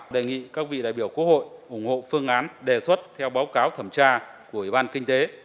đề nghị các vị đại biểu quốc hội ủng hộ phương án đề xuất theo báo cáo thẩm tra của ủy ban kinh tế